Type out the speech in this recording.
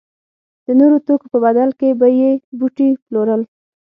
د نورو توکو په بدل کې به یې بوټي پلورل.